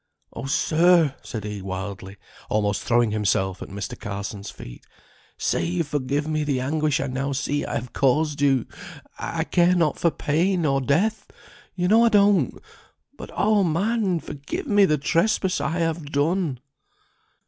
Oh, sir!" said he wildly, almost throwing himself at Mr. Carson's feet, "say you forgive me the anguish I now see I have caused you. I care not for pain, or death, you know I don't; but oh, man! forgive me the trespass I have done!"